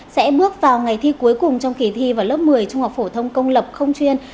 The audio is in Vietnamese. sẽ bước vào ngày thi cuối cùng trong kỳ thi vào lớp một mươi trung học phổ thông công lập không chuyên